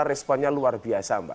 responnya luar biasa mbak